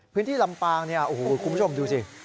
พื้นที่ลำปางเนี่ยโอ้โหคุณผู้ชมดูสิ